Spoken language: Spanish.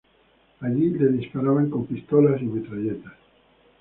Allí les disparaban con pistolas y metralletas.